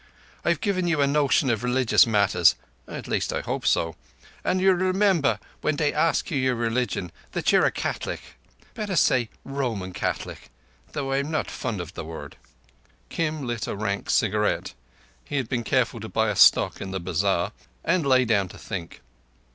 I've given you a notion of religious matters,—at least I hope so,—and you'll remember, when they ask you your religion, that you're a Cath'lic. Better say Roman Cath'lic, tho' I'm not fond of the word." Kim lit a rank cigarette—he had been careful to buy a stock in the bazar—and lay down to think.